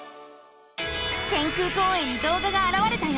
天空公園に動画があらわれたよ！